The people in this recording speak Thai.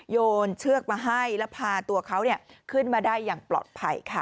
โยนเชือกมาให้แล้วพาตัวเขาขึ้นมาได้อย่างปลอดภัยค่ะ